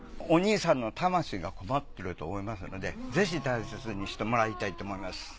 お兄さんの魂がこもってると思いますのでぜひ大切にしてもらいたいと思います。